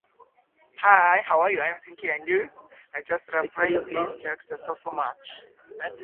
I just love playing this character so, so much.